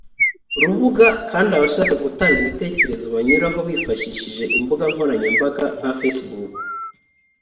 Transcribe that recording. rubuga kandi abashaka gutanga ibitekerezo banyuraho bifashishije imbuga nkoranyambaga nka facebook